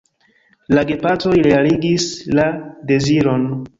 La gepatroj realigis la deziron.